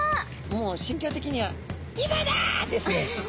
もう心境的には「今だ」です。